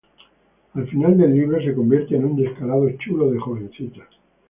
Al final del libro se convierte en un descarado chulo de jovencitas.